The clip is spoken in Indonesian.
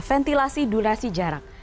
ventilasi durasi jarak